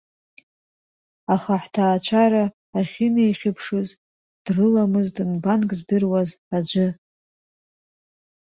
Аха ҳҭаацәара ахьынеихьыԥшыз дрыламызт нбанк здыруаз аӡәы.